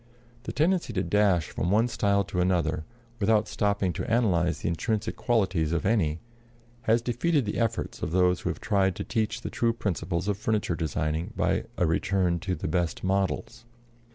The tendency to dash from one style to another, without stopping to analyze the intrinsic qualities of any, has defeated the efforts of those who have tried to teach the true principles of furniture designing by a return to the best models.